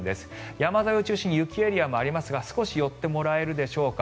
山沿いを中心に雪エリアもありますが少し寄ってもらえるでしょうか。